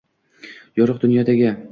Yorug’ dunyodagi